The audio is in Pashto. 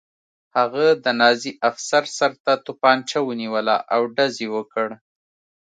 هغه د نازي افسر سر ته توپانچه ونیوله او ډز یې وکړ